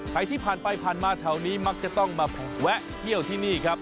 ใครที่ผ่านไปผ่านมาแถวนี้มักจะต้องมาแวะเที่ยวที่นี่ครับ